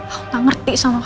aku gak ngerti sama